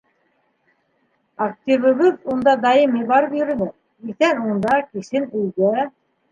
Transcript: Активыбыҙ унда даими барып йөрөнө: иртән — унда, кисен — өйгә.